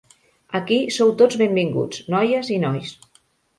Aquí sou tots benvinguts, noies i nois.